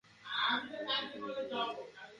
ভাববার মত বিষয়, তাই না?